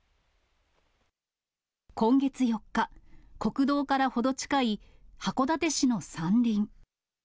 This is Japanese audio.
今月４日、国道から程近い函館市の山林。